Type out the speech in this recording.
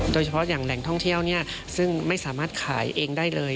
โดยเฉพาะอย่างแหล่งท่องเที่ยวซึ่งไม่สามารถขายเองได้เลย